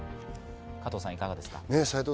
加藤さん、いかがですか？